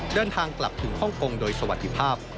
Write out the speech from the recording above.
เดินทางกลับถึงฮ่องกงโดยสวัสดีภาพ